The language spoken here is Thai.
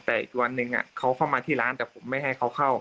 แต่อีกวันหนึ่งเขาเข้ามาที่ร้านแต่ผมไม่ให้เขาเข้า